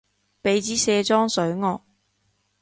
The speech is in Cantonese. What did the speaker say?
畀枝卸妝水我